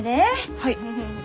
はい。